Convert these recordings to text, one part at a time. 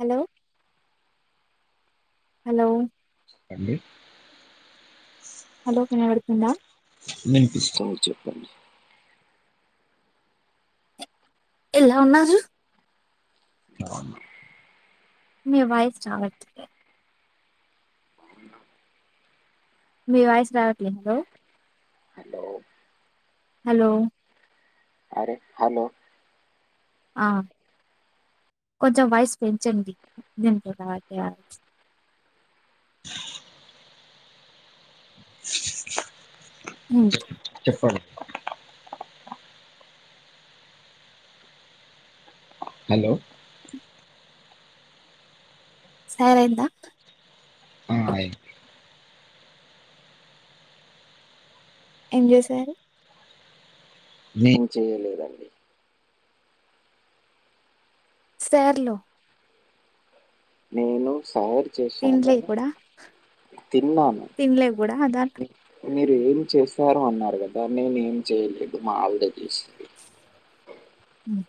Hello hello అండి ఎండా వినిపిస్తూ ఉంది చెప్పండి ఎలా ఉన్నారు బాగున్నాను మీ వాయిస్ రావట్లే మీ వాయిస్ రావట్లే హలో హలో హలో అరే హలో ఆ కొంచెం వాయిస్ పెంచండి విన్నపడట్ల హుమ్మ్ చెప్పండి హాలో సరైన్దా ఆ, నేను ఎమ్ చేసారు నేన్ చేయలేదండి సార్లు నేను సార్ తినలే చేశానన్నార్ కూడా తిన్నాను తినలే కూడా అదాన్ మీరు ఏం చేసారు అన్నారు. కదా నేను ఏం చేయలేదు మా ఆవిడా చేసిన్ ఉమ్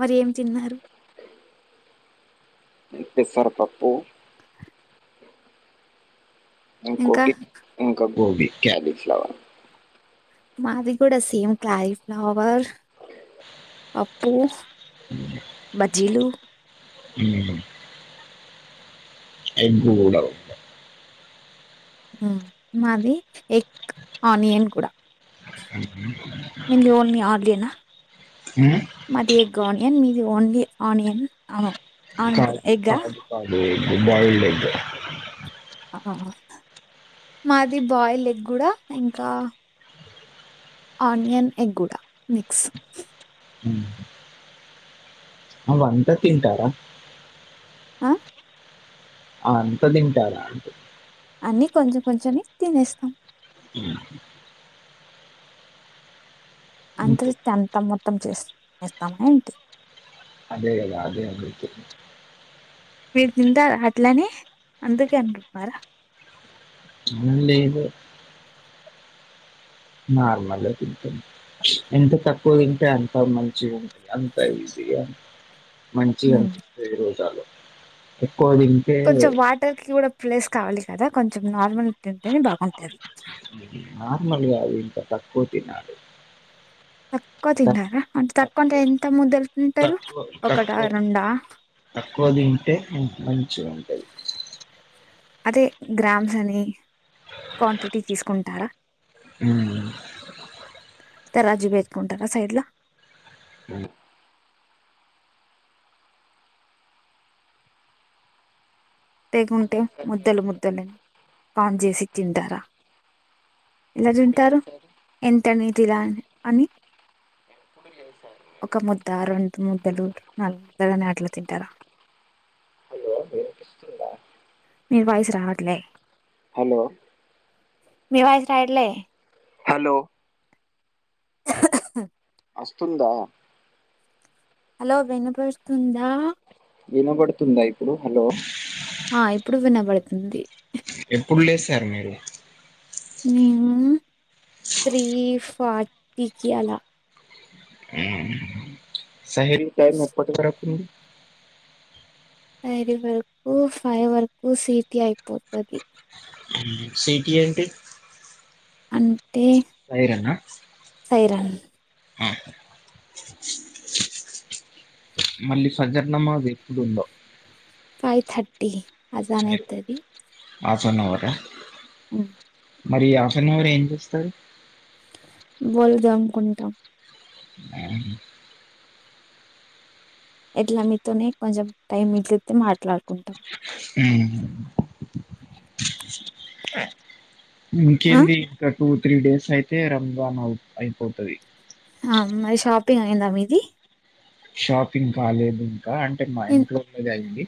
మరి ఏం తిన్నారు. పెసరపప్పు ఇంకా ఇకొటి ఇంకా గోబీ, క్యాలీఫ్లవర్ మాది కూడా సేమ్ క్యాలీఫ్లవర్ పప్పు బజ్జీలు ఉమ్మ్ ఎగ్ గూడా ఉమ్ మాది ఎగ్ ఆనియన్ కూడా ఉమ్, మీది ఓన్లీ అడ్లీయేన ఉమ్, మాది ఎగ్ ఆనియన్ ఏమ్ మీది ఓన్లీ ఆనియన్ అను కాదు కాదు కాదు ఎగ్ బాయిల్డ్ ఎగ్ ఆహ్హ్హ మాది బాయిల్ ఎగ్ గుడా ఇంకా ఆనియన్ ఎగ్గుడ మిక్స్ మీ వంట తింటారా ఆ అ వంట తింటారా అన్ని కొంచెం కొంచమే తినేస్తాము ఉమ్, అంత ఇంకో చెస్తే అంత మొత్తం చేస్ తినేస్తామా ఏంటి అదే గదా అదే అ వితు మీరు తింటరా అట్లనె అందుకే అంటునారా ఉమ్ లేదు నార్మలే తింటాం ఎంత తక్కువ్తింటే అంత మంచిగుంటది అంత ఈజీగా ఉమ్. మంచిగానిపిస్తుంది రోజలో ఎక్కువ తింటే కొంచెం వాటర్ కి కూడా ప్లేస్ కావాలి కదా కొంచెం నార్మల్ తింటేనే బాగుంటది నార్మల్గా ఇంకా తక్కువ తినాలి తక్కువ తక్- తిన్నారా అంటే తక్- తక్కువ్ అంటే ఎంత ముద్దల్ తింటరు ఒకటా రెండా తక్కువ్ టే మంచిగ ఉంటది అదే గ్రామ్స్ అని క్వాంటిటీ తీస్కుంటారా మ్ తర్వాజి పెట్టుకుంటారా సైడ్ల లేకుంటే ముద్దల్ ముద్దలని కౌంట్ జేసి తింటరా ఏలా తింటారు ఎంతని తిలా అని ఒక ముద్దా రెండు ముద్దలు నలుగుముద్దల్ అని అట్లా తింటర హలో వినిపిస్తుందా? మీ వాయిస్ రావట్లే హలో మీ వాయిస్ రాయిట్లే హలో అస్తున్దా హలో వినిపిస్తుందా వినబడుతుందా ఇప్పుడు హలో ఆ ఇప్పుడు వినబడుతుంది ఎప్పుడు లేసారు మీరు నేనా త్రీ ఫార్టీ కీ అలా హ్మ్. [unintelligible] రి వరకు ఫై వరకు సీటీ అయిపోతది సీటీ ఏంటి అంటే సైరనా సైరాన్ ఆహా మళ్ళీ సజరణమా ఎప్పుడోందో ఫైవ్ థర్టీ అదనే అవుతుది మాసనువర అ మరి ఆఫ్ అన్ అవర్ ఏం చేస్తారు బోలు దోమకుంటాం ఎట్లా మీతోనే కొంచెం టైం మిగిలితే మాట్లాడుకుంటాం ఇంకేంది ఇంకా టూ త్రీ డేస్ అయితే రంజాన్ అవు అయిపోతుది ఆ మరి షాపింగ్ అయిందా మిది షాపింగ్ కాలేదు ఇంకా అంటే మా ఎన్ ఇంట్లోనేది అయింది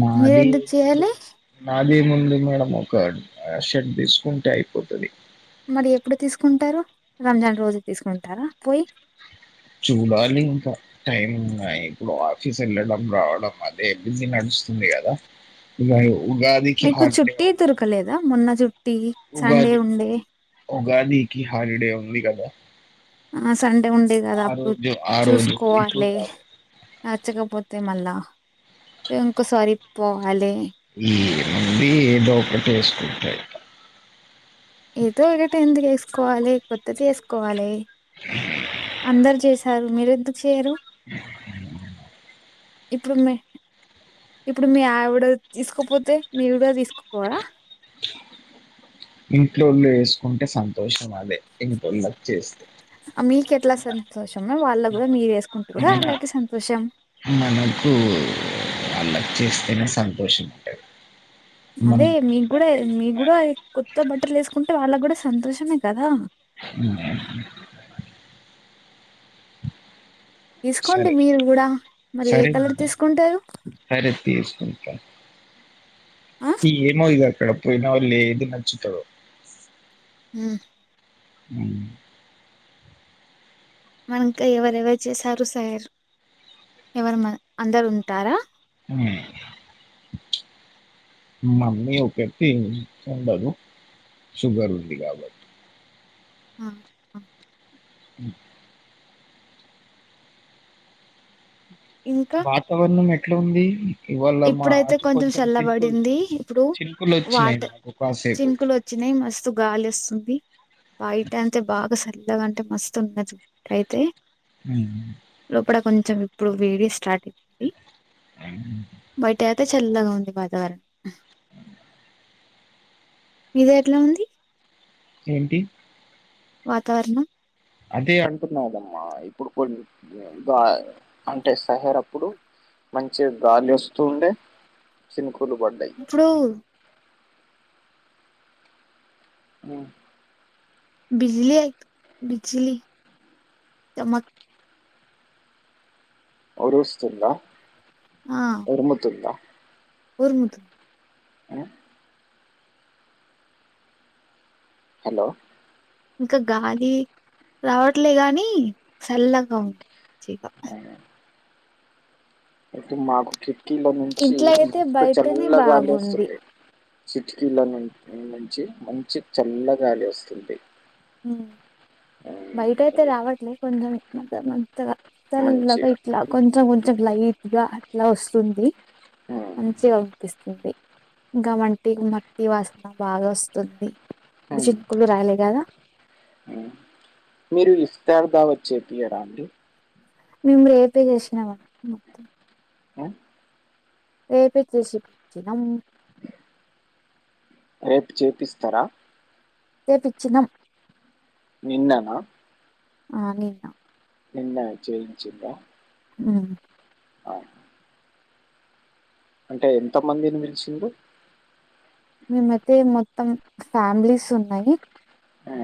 మాది మీరెందుకు చేయాలి? అదే ముందు మేడం ఒక షర్ట్ తీసుకుంటే అయిపోతుంది మరి ఎప్పుడు తీసుకుంటారు రంజాన్ రోజు తీసుకుంటారా పోయి చూడాలి ఇంకా టైం ఉన్నాయి ఇప్పుడు ఆఫీస్ వెళ్ళడం రావడం అదే ఎబ్బింది నడుస్తు ంది కదా ఇ మీకు చుట్టటి దొరకలేదా మొన్న చుట్టి సండే ఉండే ఉగాది కి హాలిడే ఉంది కదా ఆ సండే ఉండే కదా ఆ అప్పుడు రోజు ఆ రోజు పోయి చూసుకోవాలి చూడాలి నచ్చకపోతే అతే మళ్ళా ఇంకోసారి పోవాలి ఏ మంది ఏదో ఒకటి వేసుకుంటాయి ఏదో ఒకట ఎందుకు వేసుకోవాలి కొత్తది వసుకోవాలి అందరు చేస సారు మీరు ఎందుకు చేయరు ఇప్పుడుమే ఇప్పుడు మీ ఆవిడ తీసుకోపోతే మీవిడ తీసుకుపోవరాా ఇంట్లోళ్ళు వేసుకుంటే సంతోషం అదే ఇట్ళ్ళ వచ్చ చేస్త అ మీ కేట్లా సంతోష అ మన సంతోషం. మనకు అల చేస్తేనే సంతోషముంటారు అదే మీకు కూడా మీ కూడా కొత్త బట్టలు వేసుకుంటే వాళ్ళకు కూడా సంతోషమే కదా అ తీసుకోండి మీరు కూడా మరి ఏ కలర్ తీసుకుంటారు కర తీసుకుంట ఆ ఏమో ఇక అక్కడికి పోయినాక ఏది నచ్చుతారో హమ్ అ మనక ఎవరెవరు చేసారు సార్ ఎవరు మ అందరు ఉంటారా అ మమ్మీ ఒకటి ఉండదు సుగరు ఉంది కాబట్ ఆ అ ఇంకా వాతావరణం ఎట్లా ఉంది ఇవాళ మా ఇప్పుడైతే ఆట కొంచెం చినుకులు చల్లబడింది ఇప్పుడు చినుకులు వచ్చినాయి వాటర్ మాకు కాసేపు చినుకులు వచ్చినాయి మస్తు గాలి వస్తుంది బయట అంతే బాగా సరదు ఎలాంటే మస్తున్నది అయితే అ లోపల కొంచెం ఇప్పుడు వేడిే స్టార్ట్ అవుతుంది అ అే చల్లగా ఉంది వాతావరణం మీద ఎట్లా ఉంది ఏంటి వాతావరణం అదే అంటున్నా కదమ్మా ఇప్పుడు కొ అంటే సహేర్ అప్పుడు మంచి గాలి వస్తూ ఉండే చిను ఇప్పుడు అ విజీల్ అయిదు విజిల్ చమక్ ఊరుస్తుందా ఊర్ముతుందా ఊరుముతు ఆ హలో ఇంకా గాలి రావట్లే గాని చల్ల అవును అయితే మాకు కిటికీలో నుంచి ఇంట్లో అయితే మస్తు బయటనే చల్లగాలి బాగుంది వస్తుంది కిటికీల నుంచి మంచి చల్లగాలి వస్తుంది బయట అయితే ఉమ్. రావట్లే కొంచెం మంత మంతగా చల్లగా మంచిగా ఇట్లా కొంచెం కొంచెం లైట్ గా అట్లా వస్తుంది ఉమ్. మంచిగా అనిపిస్తుంది ఇంకా మట్టి వాసన బాగా వస్తుంది ఉమ్, చినుకులు రాలేగదా మీరు ఇఫ్తారు కావచ్చు వేపియడానికి మేమ్ రేపే చేసినామండి హ్హ్ రేపే తెప్పిచ్చినం రేపు చేపిస్తారా చేేపిచ్చినం నిన్ననా ఆ నిన్న నిన్న చేయించిండ్ర మ్మ్ అ హ్ అంటే ఎంత మందిని పిలిచింన్రు మేమైతే మొత్తం ఫ్యామిలీస్ ఉన్నాము ఆ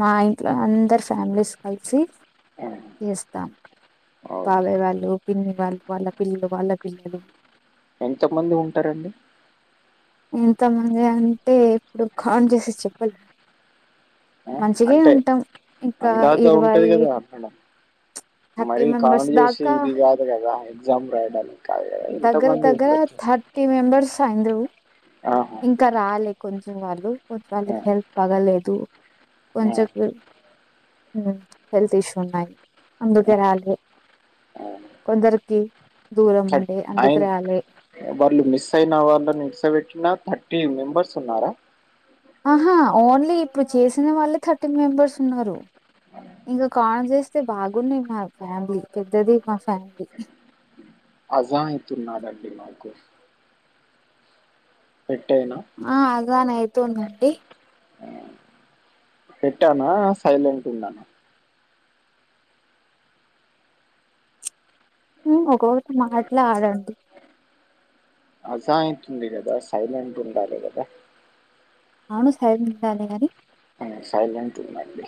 మా ఇంట్లో అందరు ఫ్యామిలీస్ కలిసి ఉమ్, చేస్తాం ఓకే బాబాయ్ వాళ్ళు పిన్ని వాళ్ళు వాళ్ళ పిల్లలు వాళ్ళ పిల్లలు ఎంత మంది ఉంటారండి ఎంతమంది అంటే ఇప్పుడు కౌంట్ చేసి చెప్పలేం ఆ, మంచిగే అంటే ఉంటాం ఇంకా ఇరవై థర్టీ మరి మెంబర్స్ కౌంట్ చేసి దాకా ఇది కాదు కదా ఎగ్జామ్ రాయడానికి కాదు కదా దగ్గర ఎంతమంది దగ్గర ఉంటరు థర్టీ మెంబర్స్ అయింన్రు ఆహా, ఇంకా రాలే కొంచెం వాళ్ళు కొంచెం ఆ, వాళ్ళకి హెల్త్ బాగలేదు ఆ, కొంచం హెల్త్ ఇష్యూ ఉన్నాయి అందుకే రాలే ఆ. కొందరికి దూరం ఉన్నది ఐ మీన్ వాళ్ళు మిస్ అయిన వాళ్ళని నిల్చోబెట్టిన థర్టీ మెంబర్స్ ఉన్నారా ఆహా ఓన్లీ ఇప్పుడు చేసిన వాళ్ళే థర్టీ మెంబర్స్ ఉన్నారు ఇంకా కౌంట్ చేస్తే బాగా ఉన్నారు మా ఫ్యామిలీ పెద్దది మా ఫ్యామిలీ అజాయిత్ ఉన్నాడండి మాకు పెట్టయినా ఆ అలానే అవుతున్నది పెట్టానా సైలెంట్ గా ఉన్నానా హుమ్ ఒక్కొక్కటి మాట్లాడండి అజాతుంది కదా సైలెంట్ ఉండాలి కదా అవును సైలెంట్గా ఉండాలి కాని హు సైలెంట్ ఉండండి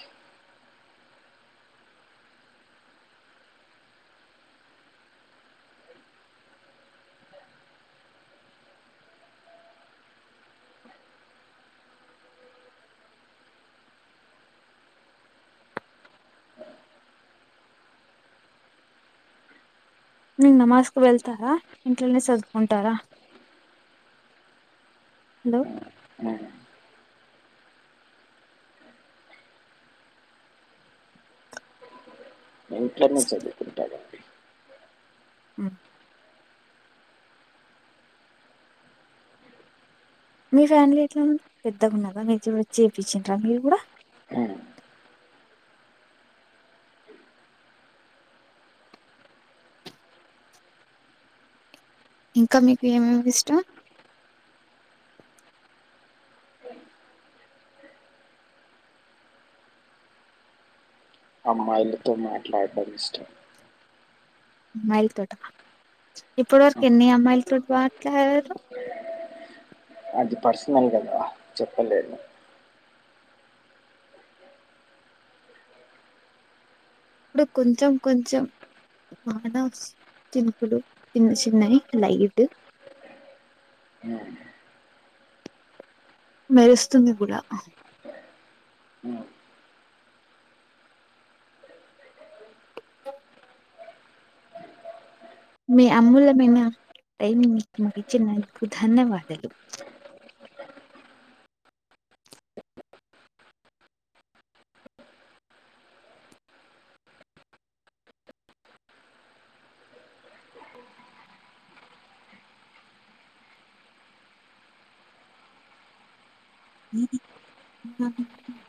నువ్ నమాజ్ కు వెళ్తారా ఇంట్లోనే చదువుకుంటారా హలో! [inaudible] ఇంట్లోనే చదువు కుంటాను హు మీ ఫ్యామిలీ ఎట్లా ఉంది పెద్దగున్నదా మీరు కూడ చేప్పిచ్చిండ్రా మీరు కూడా [inaudible] ఉమ్, ఇంకా మీకు ఏమేమి ఇష్టం అమ్మాయిలతో మాట్లడం ఇష్టం అమ్మాయిల తోట ఇప్పటి వరకు ఉమ్, ఎన్ని అమ్మాయిల తోటి మాట్లాడారు అది పర్సనల్ కదా చెప్పలేను ఇప్పుడు కొంచెం కొంచెం బానోస్ చినుకులు చిన్న చిన్నయ్ లైట్ హు మెరుస్తుంది కూడ ఉమ్, మీ అమూల్యమైన టైం మీకు మంచ్చినందుకు ధన్యవాదాలు [inaudible]